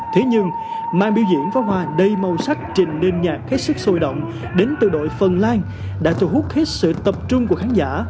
thế nhưng màn biểu diễn phá hoa đầy màu sắc trình nên nhạc khách sức sôi động đến từ đội phần lan đã cho hút hết sự tập trung của khán giả